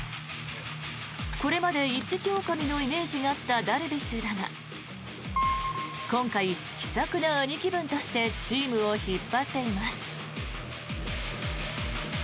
これまで一匹おおかみのイメージがあったダルビッシュだが今回、気さくな兄貴分としてチームを引っ張っています。